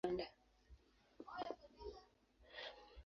Baada ya uhuru ikawa mji mkuu wa kitaifa wa Uganda.